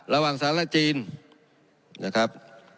ระหว่างสหรัฐและจีนนะครับ